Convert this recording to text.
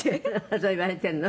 「そう言われているの？」